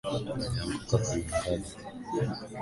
Alianguka kwenye ngazi